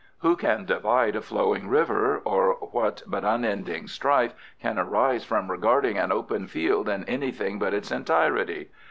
"Who can divide a flowing river, or what but unending strife can arise from regarding an open field in anything but its entirety?